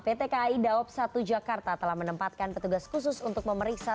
pt kai daob satu jakarta telah menempatkan petugas khusus untuk memeriksa